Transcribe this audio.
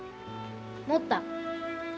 持った。